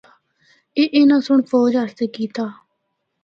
اے اُناں سنڑ فوج اسطے کیتا۔